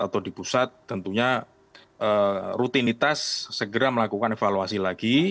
atau di pusat tentunya rutinitas segera melakukan evaluasi lagi